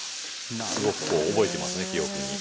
すごく覚えてますね記憶に。